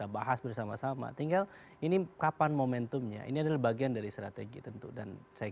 bahas bersama sama tinggal ini kapan momentumnya ini adalah bagian dari strategi tentu dan saya